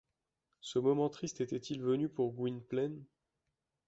Ce moment triste était-il venu pour Gwynplaine?